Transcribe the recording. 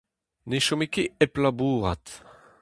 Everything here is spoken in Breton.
Ne chome ket hep labourat.